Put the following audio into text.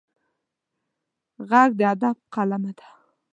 غږ د ادب قلمه ده